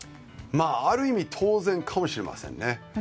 ある意味当然かもしれませんね。